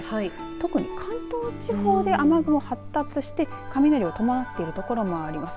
特に関東地方で雨雲発達して雷を伴っている所もあります。